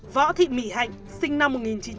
võ thị mỹ hạnh sinh năm một nghìn chín trăm chín mươi bảy